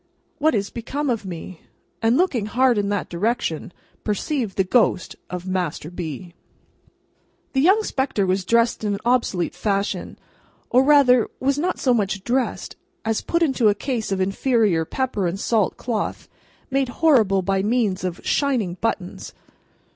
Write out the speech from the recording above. What is become of me?" and, looking hard in that direction, perceived the ghost of Master B. The young spectre was dressed in an obsolete fashion: or rather, was not so much dressed as put into a case of inferior pepper and salt cloth, made horrible by means of shining buttons.